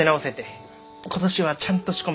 今年はちゃんと仕込めてる。